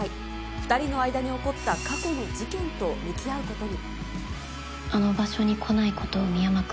２人の間に起こった過去の事件と向き合うことに。